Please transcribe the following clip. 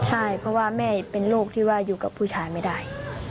ใช่เพราะว่าแม่เป็นโรคที่ว่าอยู่กับผู้ชายไม่ได้